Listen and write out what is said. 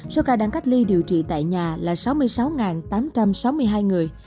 số ca đang cách ly điều trị tại nhà là sáu mươi sáu tám trăm sáu mươi hai người